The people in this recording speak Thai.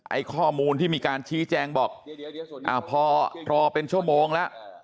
ข้อมูลที่มีการชี้แจงบอกพอรอเป็นชั่วโมงแล้ว